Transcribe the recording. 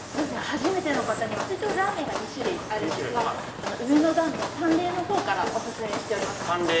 初めての方には一応ラーメンが２種類あるんですが上の段の淡麗のほうからお薦めしております。